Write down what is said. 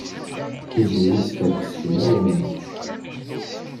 Tiziri teskerkes fell-awen.